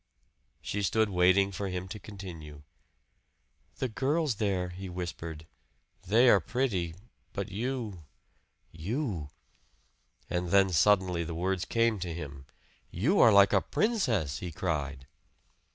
She stood waiting for him to continue. "The girls there" he whispered "they are pretty but you you " And then suddenly the words came to him. "You are like a princess!" he cried.